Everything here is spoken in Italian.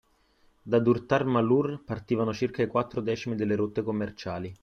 Da Durtar Malur partivano circa i quattro decimi delle rotte commerciali